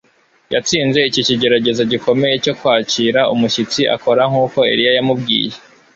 yatsinze iki kigeragezo gikomeye cyo kwakira umushyitsi akora nkuko Eliya yamubwiye